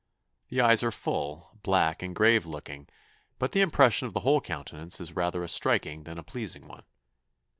The eyes are full, black, and grave looking, but the impression of the whole countenance is rather a striking than a pleasing one.